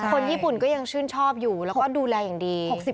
คนญี่ปุ่นก็ยังชื่นชอบอยู่แล้วก็ดูแลอย่างดี